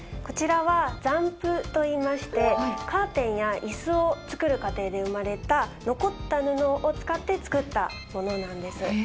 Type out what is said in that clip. こちらは残布といいましてカーテンや椅子を作る過程で生まれた残った布を使って作ったものなんです。